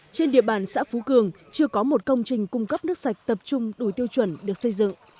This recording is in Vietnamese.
trên địa bàn xã phú cường chưa có một công trình cung cấp nước sạch tập trung đủ tiêu chuẩn được xây dựng